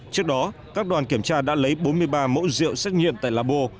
trước đó các đoàn kiểm tra đã lấy bốn mươi ba mẫu rượu xét nghiệm tại labo